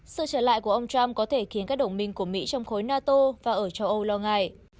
sự trở lại của ông trump có thể khiến các đồng minh của mỹ trong khối nato và ở châu âu lo ngại